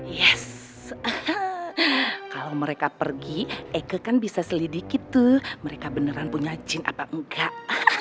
yes kalau mereka pergi eke kan bisa selidiki tuh mereka beneran punya jin apa enggak